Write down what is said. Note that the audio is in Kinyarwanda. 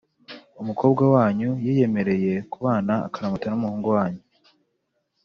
umukobwa wanyu yiyemereye kubana akaramata n’ umuhungu wanyu,